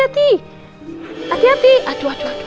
hati hati aduh aduh aduh aduh